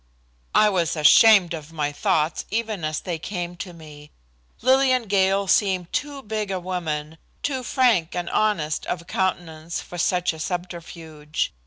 I was ashamed of my thoughts even as they came to me. Lillian Gale seemed too big a woman, too frank and honest of countenance for such a subterfuge.